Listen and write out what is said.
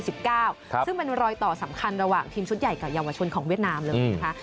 ซึ่งเป็นรอยต่อสำคัญระหว่างทีมชุดใหญ่กับเยาวชนของเวียดนามเลยนะคะ